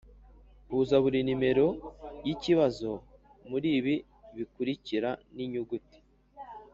huza buri nimero y’ikibazo muri ibi bikurikira n’inyuguti